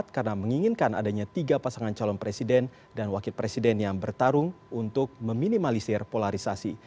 karena menginginkan adanya tiga pasangan calon presiden dan wakil presiden yang bertarung untuk meminimalisir polarisasi